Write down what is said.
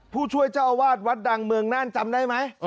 ผู้ช่วยเจ้าอาวาสวัดดังเมืองน่านจำได้ไหม